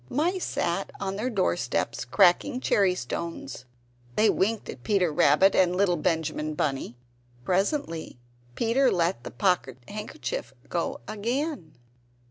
The mice sat on their doorsteps cracking cherry stones; they winked at Peter Rabbit and little Benjamin Bunny. Presently Peter let the pocket handkerchief go again.